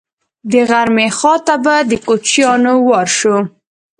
د غرمې خوا ته به د کوچیانو وار شو.